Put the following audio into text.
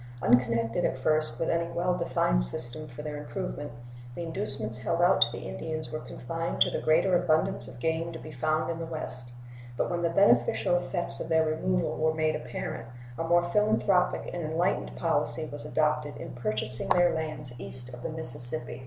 Unconnected at first with any well defined system for their improvement, the inducements held out to the Indians were confined to the greater abundance of game to be found in the West; but when the beneficial effects of their removal were made apparent a more philanthropic and enlightened policy was adopted in purchasing their lands east of the Mississippi.